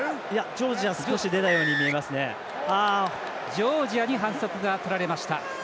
ジョージアに反則がとられました。